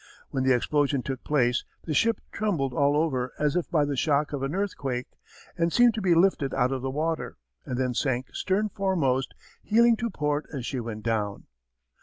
When the explosion took place the ship trembled all over as if by the shock of an earthquake, and seemed to be lifted out of the water, and then sank stern foremost, heeling to port as she went down.